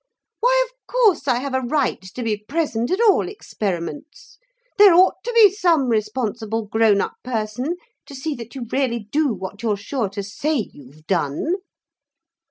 'Why, of course, I have a right to be present at all experiments. There ought to be some responsible grown up person to see that you really do what you're sure to say you've done.'